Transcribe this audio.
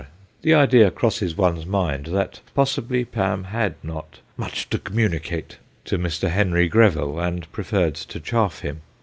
The idea crosses one's mind that possibly Pam had not 'much to communicate' to Mr. Henry Greville, and preferred to chaff him.